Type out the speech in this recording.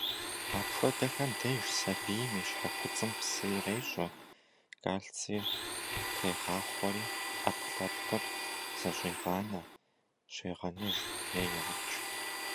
Апхуэдэхэм деж сабийм и щхьэкуцӏым псы ирещӏэ, кальцийр хегъахъуэри, ӏэпкълъэпкъыр зэщӏегъанэ, щегъэныж е еукӏ.